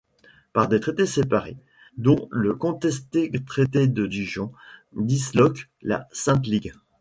Par des traités séparés, dont le contesté traité de Dijon, disloque la Sainte Ligue.